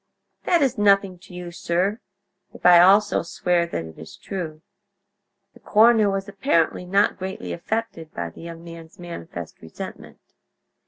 "That is nothing to you, sir, if I also swear that it is true." The coroner was apparently not greatly affected by the young man's manifest resentment.